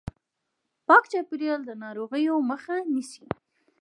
پاک چاپیریال د ناروغیو مخه نیسي.